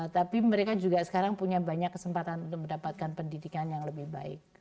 tapi mereka juga sekarang punya banyak kesempatan untuk mendapatkan pendidikan yang lebih baik